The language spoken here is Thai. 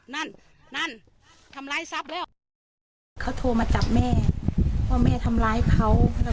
นั่นนั่นทำร้ายทรัพย์แล้ว